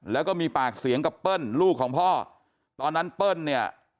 แล้วก็มีปากเสียงกับเปิ้ลลูกของพ่อตอนนั้นเปิ้ลเนี่ย